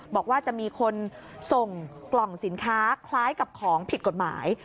บอกว่าจะมีคนส่งกล่องสินค้าคล้ายกับของผิดกฎหมาย